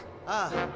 ああ。